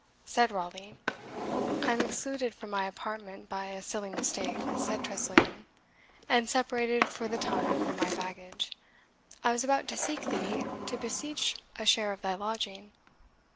said Raleigh. "I am excluded from my apartment by a silly mistake," said Tressilian, "and separated for the time from my baggage. I was about to seek thee, to beseech a share of thy lodging."